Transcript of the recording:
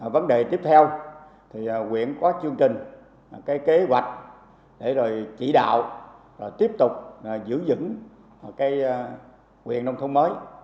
vấn đề tiếp theo thì huyện có chương trình kế hoạch để chỉ đạo tiếp tục giữ dững huyện nông thôn mới